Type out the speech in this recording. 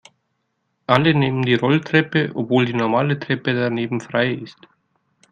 Alle nehmen die Rolltreppe, obwohl die normale Treppe daneben frei ist.